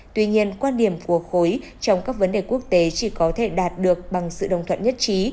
tuy nhiên quan điểm của khối trong các vấn đề quốc tế chỉ có thể đạt được bằng sự đồng thuận nhất trí